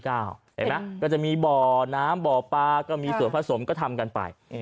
เห็นไหมก็จะมีบ่อน้ำบ่อปลาก็มีส่วนผสมก็ทำกันไป